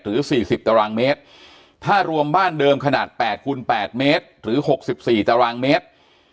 ๔๐ตารางเมตรถ้ารวมบ้านเดิมขนาด๘คูณ๘เมตรหรือ๖๔ตารางเมตร